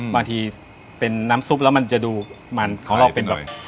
บางทีเป็นน้ำซุปแล้วมันจะดูมันของเราเป็นแบบ